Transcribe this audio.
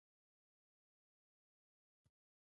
د په وطن بدې ورځې تيريږي.